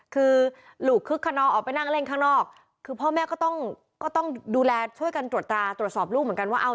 คือลูกคึกขนองออกไปนั่งเล่นข้างนอกคือพ่อแม่ก็ต้องก็ต้องดูแลช่วยกันตรวจตราตรวจสอบลูกเหมือนกันว่า